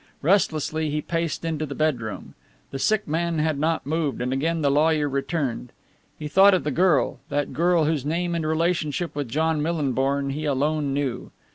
Restlessly he paced into the bedroom. The sick man had not moved and again the lawyer returned. He thought of the girl, that girl whose name and relationship with John Millinborn he alone knew.